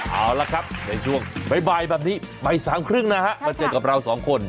เอาละครับในช่วงบ่ายแบบนี้บ่ายสามครึ่งนะฮะมาเจอกับเราสองคน